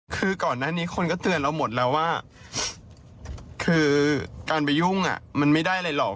คือก่อนหน้านี้คนก็เตือนเราหมดแล้วว่าคือการไปยุ่งมันไม่ได้อะไรหรอก